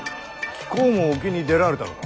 貴公も沖に出られたのか？